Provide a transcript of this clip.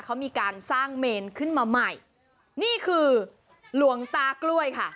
เขามีการสร้างเมนขึ้นมาใหม่นี่คือหลวงตากล้วยค่ะ